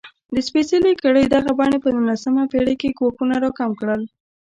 د سپېڅلې کړۍ دغې بڼې په نولسمه پېړۍ کې ګواښونه راکم کړل.